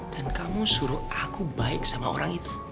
dan kamu suruh aku baik sama orang itu